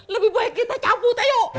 lebih baik kita cabut ayo